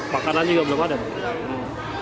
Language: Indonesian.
pakanan juga belum ada